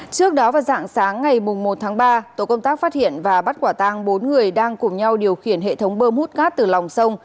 trước đó vào dạng sáng ngày một tháng ba tổ công tác phát hiện và bắt quả tang bốn người đang cùng nhau điều khiển hệ thống bơm hút cát từ lòng sông